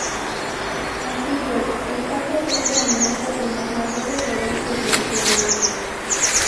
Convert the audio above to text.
Así pues, esta presente a menudo en los mayores eventos del flamenco.